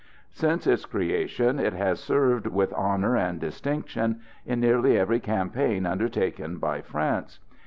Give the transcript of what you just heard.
Since its creation it has served with honour and distinction in nearly every campaign undertaken by France.